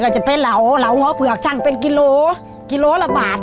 จะเป็นเหลาเหลาเผือกช่างเป็นกิโลจนละบาท